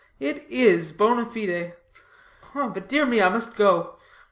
It is, bona fide. But dear me, I must go.